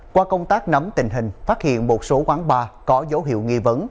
qua công tác nắm tình hình phát hiện một số quán bar có dấu hiệu nghi vấn